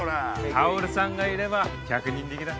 薫さんがいれば百人力だ。